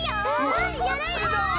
ワクワクするのう！